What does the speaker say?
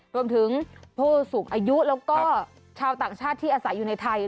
รวมถึงผู้สูงอายุแล้วก็ชาวต่างชาติที่อาศัยอยู่ในไทย